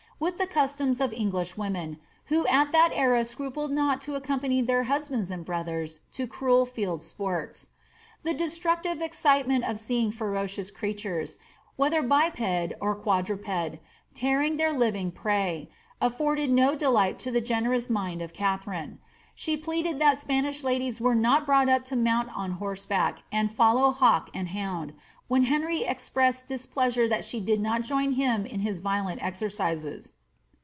with the customs of English women, who at that era scra ped not to accompany their husbands and brothers to cruel field sports. The destructive excitement of seeing ferocious creatures, whether biped or quadruped, tearing their living prev, afibrded no delight to the gene rous mind of Katharine. She pleaded that Spanish ladies were not brought up to mount on horseback and follow hawk and hound, whea Henry expressed displeasure that she did not join him in his violeat ex ercises.